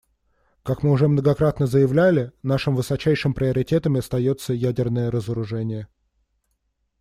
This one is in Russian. Как мы уже многократно заявляли, нашим высочайшим приоритетом остается ядерное разоружение.